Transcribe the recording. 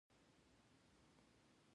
حرص کول بد دي